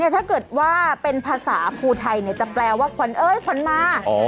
ถ้าเกิดว่าเป็นภาษาภูไทยจะแปลว่าขวัญเอ้ยขวัญมา